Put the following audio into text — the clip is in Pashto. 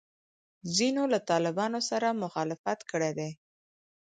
ځینو له طالبانو سره مخالفت کړی دی.